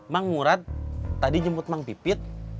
mang murad tadi jemput bang pipit